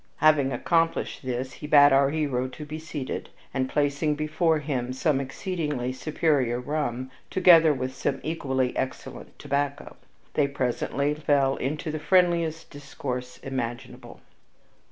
Having accomplished this he bade our hero to be seated, and placing before him some exceedingly superior rum, together with some equally excellent tobacco, they presently fell into the friendliest discourse imaginable.